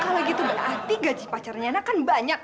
kalau gitu berarti gaji pak cerna kan banyak